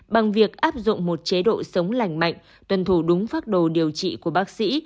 bằng việc áp dụng một chế độ sống lành mạnh tuân thủ đúng pháp đồ điều trị của bác sĩ